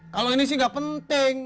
kalo ini sih gak penting